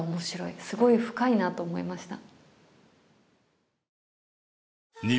すごい深いなと思いました。